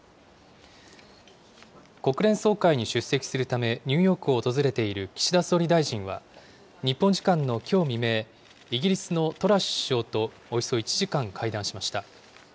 国連総会に出席するため、ニューヨークを訪れている岸田総理大臣は、日本時間のきょう未明、イギリスのトラス首相とおよそ１時間会談しました。